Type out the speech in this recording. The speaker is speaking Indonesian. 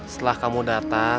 setelah kamu datang